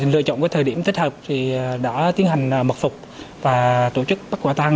lựa chọn thời điểm thích hợp thì đã tiến hành mật phục và tổ chức bắt quả tăng